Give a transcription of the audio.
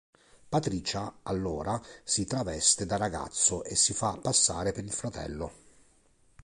Patricia, allora, si traveste da ragazzo e si fa passare per il fratello.